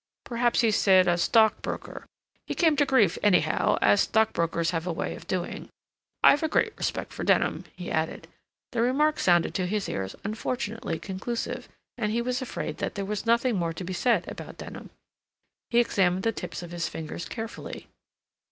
Perhaps he said a stockbroker. He came to grief, anyhow, as stockbrokers have a way of doing. I've a great respect for Denham," he added. The remark sounded to his ears unfortunately conclusive, and he was afraid that there was nothing more to be said about Denham. He examined the tips of his fingers carefully.